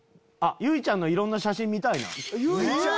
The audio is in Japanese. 由衣ちゃんのいろんな写真見たいな。